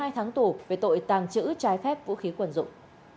một mươi hai tháng tù về tội tàng trữ trái phép vũ khí quân dụng